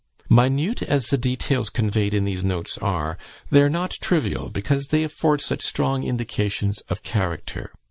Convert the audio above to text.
Minute as the details conveyed in these notes are, they are not trivial, because they afford such strong indications of character.